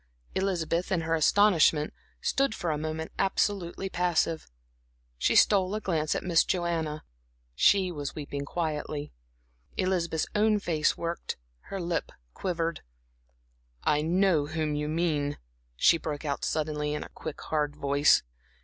Elizabeth, in her astonishment, stood for a moment absolutely passive. She stole a glance at Miss Joanna; she was weeping quietly. Elizabeth's own face worked, her lip quivered. "I know whom you mean," she broke out, suddenly, in a quick hard voice.